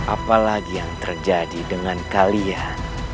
apa lagi yang terjadi dengan kalian